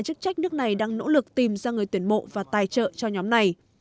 chức trách nước này đang nỗ lực tìm ra người tuyển mộ và tài trợ cho nhóm này